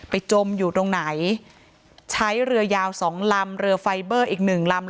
จมอยู่ตรงไหนใช้เรือยาวสองลำเรือไฟเบอร์อีกหนึ่งลำ